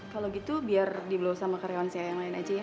kalau gitu biar di blow sama karyawan saya yang lain aja ya